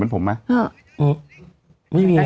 อเรนนี่